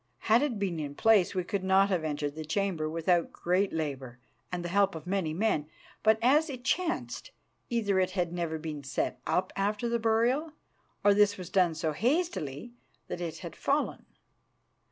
Had it been in place, we could not have entered the chamber without great labour and the help of many men; but, as it chanced, either it had never been set up after the burial, or this was done so hastily that it had fallen.